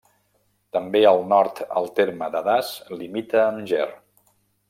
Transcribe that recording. També al nord el terme de Das limita amb Ger.